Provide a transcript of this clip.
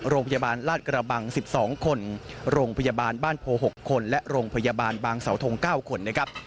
โรงพยาบาลราชกระบัง๑๒คนโรงพยาบาลบ้านโพ๖คนและโรงพยาบาลบางสาวทง๙คนนะครับ